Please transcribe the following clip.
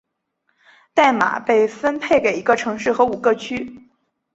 代码被分配给一个城市和五个区。